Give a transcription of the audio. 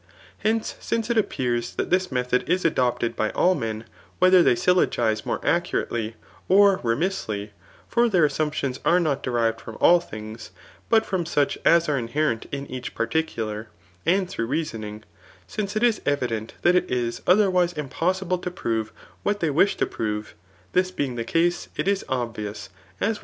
Hence, since it appears that diis method is adqited by all men, whether th^ syllogize more accurately, or more remissly ; for their as8umpti<»is are not derived from all things, but from such as are inherent in each particular, and through reasoning; since it is evident that it is otherwise impossible to prove what diey wirii to prove;— diis being the case, it is obvious, as we have OHAF.